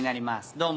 どうも。